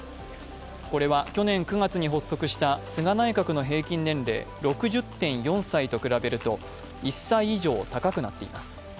これは去年９月に発足した菅内閣の平均年齢６０．４歳と比べると１歳以上高くなっています。